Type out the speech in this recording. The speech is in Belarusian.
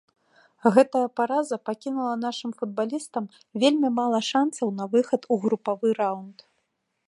Гэтая параза пакінула нашым футбалістам вельмі мала шанцаў на выхад у групавы раўнд.